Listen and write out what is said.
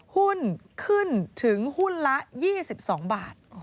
หุ้นขึ้นถึงหุ้นละ๒๒บาท